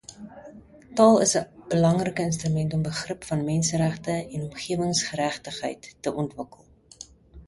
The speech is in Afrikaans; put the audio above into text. Taal is 'n belangrike instrument om begrip van menseregte en omgewingsgeregtigheid te ontwikkel.